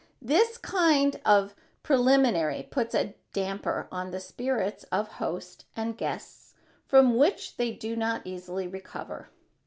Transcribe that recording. This kind of preliminary puts a damper upon the spirits of host and guests from which they do not easily recover.